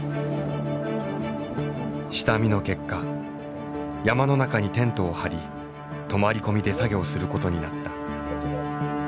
下見の結果山の中にテントを張り泊まり込みで作業することになった。